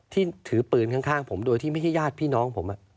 ที่ถือปืนข้างผมโดยที่ไม่ใช่ญาติพี่น้องผม